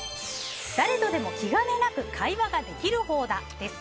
誰とでも気兼ねなく会話ができる方だです。